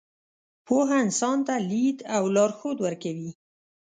پوهه انسان ته لید او لارښود ورکوي.